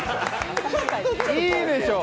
いいでしょ！